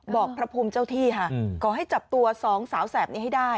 พระภูมิเจ้าที่ค่ะขอให้จับตัวสองสาวแสบนี้ให้ได้